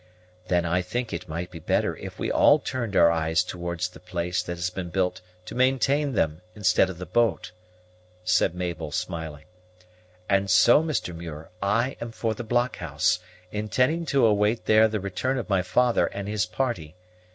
"Then I think it might be better if we all turned our eyes towards the place that has been built to maintain them instead of the boat," said Mabel, smiling; "and so, Mr. Muir, I am for the blockhouse, intending to await there the return of my father and his party.